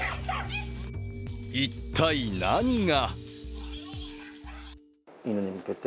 一体、何が？